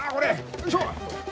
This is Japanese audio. よいしょ！